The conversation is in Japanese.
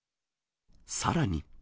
さらに。